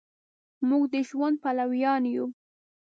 مونږ د ژوند پلویان یو